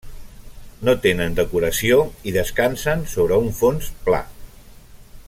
No tenen decoració i descansen sobre un fons pla.